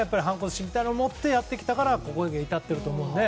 心みたいなものを持ってやってきたからここに至っていると思うので。